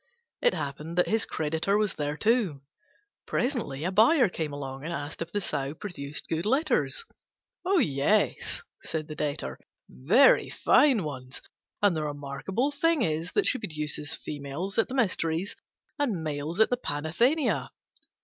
It happened that his creditor was there too. Presently a buyer came along and asked if the Sow produced good litters. "Yes," said the Debtor, "very fine ones; and the remarkable thing is that she produces females at the Mysteries and males at the Panathenea."